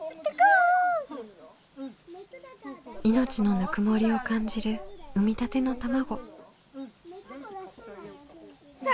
命のぬくもりを感じる産みたての卵。